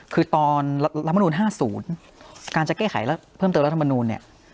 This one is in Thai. คือตอนรัฐมนุนห้าศูนย์การจะแก้ไขแล้วเพิ่มเติมรัฐมนุนเนี้ย